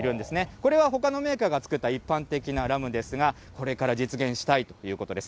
これはほかのメーカーが造った一般的なラムですが、これから実現したいということです。